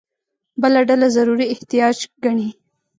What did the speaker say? بله ډله ضروري احتیاج ګڼي.